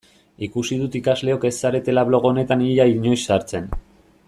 Ikusi dut ikasleok ez zaretela blog honetan ia inoiz sartzen.